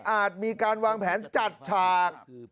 อาจมีการวางแผนจัดฉาก